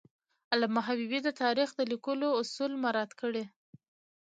علامه حبیبي د تاریخ د لیکلو اصول مراعات کړي دي.